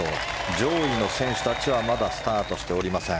上位の選手たちはまだスタートしておりません。